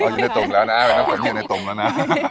อยู่ในตุ่มแล้วนะวันนั้นผมอยู่ในตุ่มแล้วนะ